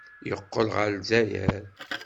Yeqqel ɣer Lezzayer.